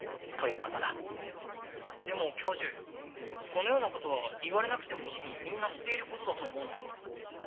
ででも教授そのようなことは言われなくても日々みんなしていることだと思うのですが。